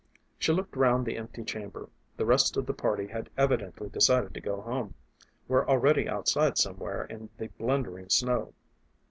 She looked round the empty chamber; the rest of the party had evidently decided to go home, were already outside somewhere in the blundering snow.